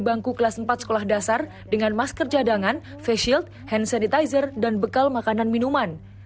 sekolah sekolah dasar dengan masker jadangan facial hand sanitizer dan bekal makanan minuman